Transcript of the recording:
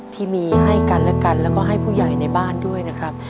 ที่มีให้กันและกันแล้วก็ให้ผู้ใหญ่ในบ้านด้วยนะครับ